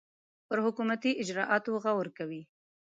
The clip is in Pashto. پر حکومتي اجرآتو غور کوي.